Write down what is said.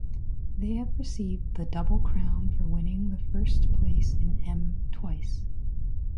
They have received the “double crown” for winning the first place in M twice!